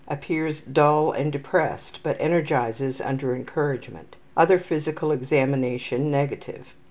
Appears dull and depressed, but energizes under encouragement. Other physical examination negative.